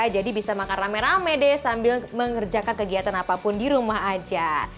jadi bisa makan rame rame deh sambil mengerjakan kegiatan apapun di rumah aja